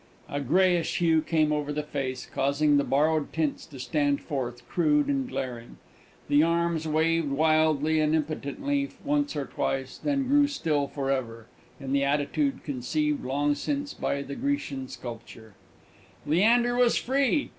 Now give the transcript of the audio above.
A greyish hue came over the face, causing the borrowed tints to stand forth, crude and glaring; the arms waved wildly and impotently once or twice, and then grew still for ever, in the attitude conceived long since by the Grecian sculptor! Leander was free!